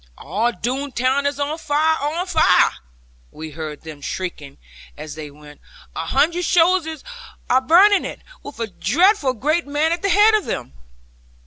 'All Doone town is on fire, on fire!' we heard them shrieking as they went; 'a hundred soldiers are burning it, with a dreadful great man at the head of them!'